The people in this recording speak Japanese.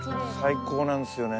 最高なんですよね。